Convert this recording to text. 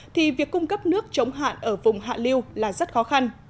thì việc cung cấp nước chống hạn ở vùng hạ liêu là rất khó khăn